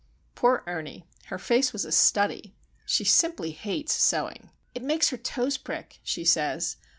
Poor Ernie! her face was a study. She simply hates sewing. "It makes her toes prick," she says.